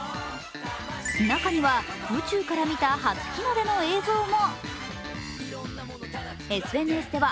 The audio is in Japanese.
中には、宇宙から見た初日の出の映像も。